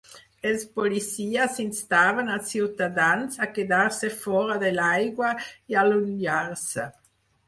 Els policies instaven als ciutadans a quedar-se fora de l'aigua i a allunyar-se.